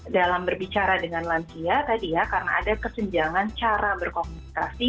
dalam berbicara dengan lansia tadi ya karena ada kesenjangan cara berkomunikasi